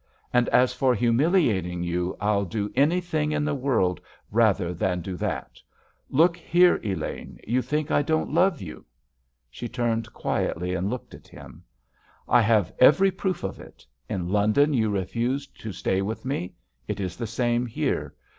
And as for humiliating you, I'd do anything in the world rather than do that! Look here, Elaine, you think I don't love you?" She turned quietly and looked at him. "I have every proof of it! In London you refused to stay with me; it is the same here.